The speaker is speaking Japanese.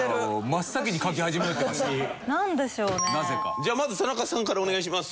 じゃあまず田中さんからお願いします。